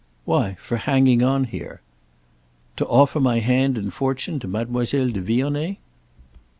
"Why for hanging on here." "To offer my hand and fortune to Mademoiselle de Vionnet?"